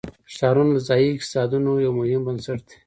ښارونه د ځایي اقتصادونو یو مهم بنسټ دی.